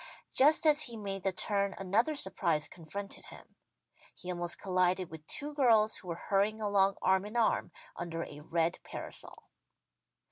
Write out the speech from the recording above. Just as he made the turn another surprise confronted him. He almost collided with two girls who were hurrying along arm in arm, under a red parasol.